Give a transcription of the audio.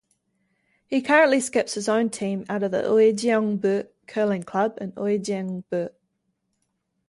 He currently skips his own team out of the Uijeongbu Curling Club in Uijeongbu.